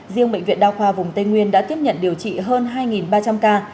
riêng bệnh viện đao khoa vùng tây nguyên đã tiếp nhận điều trị hơn hai ba trăm linh ca